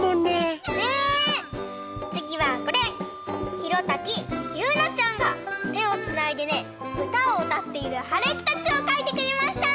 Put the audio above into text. ひろたきゆうなちゃんがてをつないでねうたをうたっているはるきたちをかいてくれました！